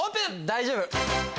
大丈夫！